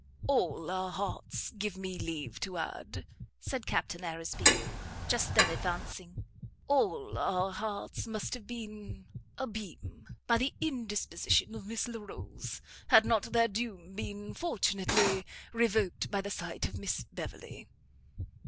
"All our hearts, give me leave to add," said Captain Aresby just then advancing, "all our hearts must have been abimés, by the indisposition of Miss Larolles, had not their doom been fortunately revoked by the sight of Miss Beverley."